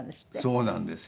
そうなんですよ。